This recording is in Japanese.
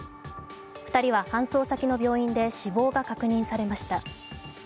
２人は搬送先の病院で死亡が確認されました。